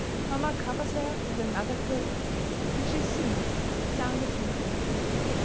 Mamma covers her with another quilt, and she is soon sound asleep.